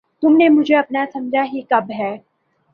تم نے مجھے اپنا سمجھا ہی کب ہے!